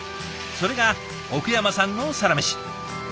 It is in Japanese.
それが奥山さんのサラメシ。